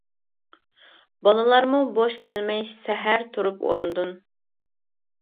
بالىلارمۇ بوش كەلمەي، سەھەر تۇرۇپ ئورنىدىن.